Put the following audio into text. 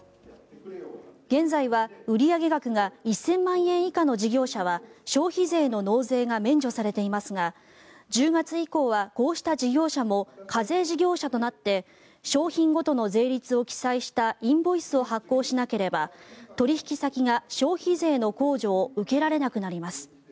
現在は売上額が１０００万円以下の事業者は消費税の納税が免除されていますが１０月以降はこうした事業者も課税事業者となって商品ごとの税率を記載したインボイスを発行しなければ取引先が消費税の控除を受けられなくなります。